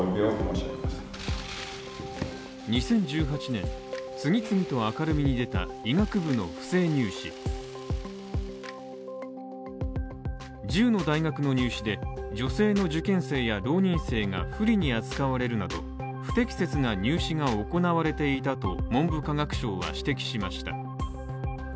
２０１８年、次々と明るみに出た医学部の不正入試１０の大学の入試で女性の受験生や浪人生が不利に扱われるなど、不適切な入試が行われていたと文部科学省は指摘しました。